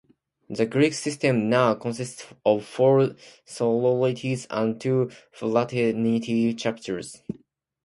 The Greek System now consists of four sororities and two fraternity chapters.